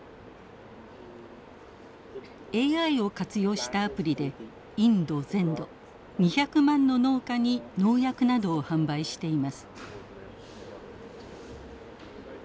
ＡＩを活用したアプリでインド全土２００万の農家に農薬などを販売しています。